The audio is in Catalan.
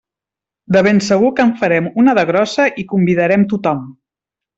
De ben segur que en farem una de grossa i convidarem tothom.